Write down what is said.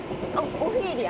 オオフィーリア！